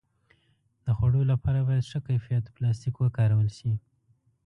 د خوړو لپاره باید ښه کیفیت پلاستيک وکارول شي.